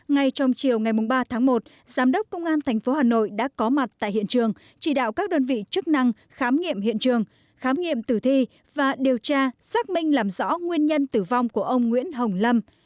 ngay trong chiều ngày ba tháng một giám đốc công an tp hà nội đã có mặt tại hiện trường chỉ đạo các đơn vị chức năng khám nghiệm hiện trường khám nghiệm tử thi và điều tra xác minh làm rõ nguyên nhân tử vong của ông nguyễn hồng lâm